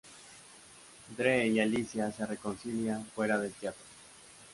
Drew y Alicia se reconcilian fuera del teatro.